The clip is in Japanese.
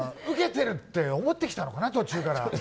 ウケてるって思ってきたのかな途中から。